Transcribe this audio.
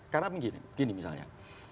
karena begini misalnya